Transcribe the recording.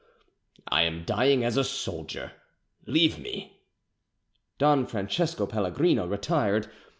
"I am dying as a soldier. Leave me." Don Francesco Pellegrino retired.